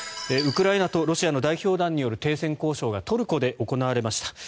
ウクライナとロシアの代表団による停戦交渉がトルコで行われました。